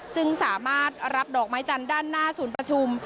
ซึ่งสามารถรับดอกไม้จันทร์ด้านหน้าศูนย์ประชุม